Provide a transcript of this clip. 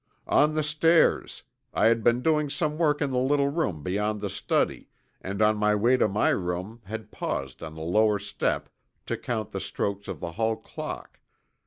"On the stairs. I had been doing some work in the little room beyond the study and on my way to my room had paused on the lower step to count the strokes of the hall clock.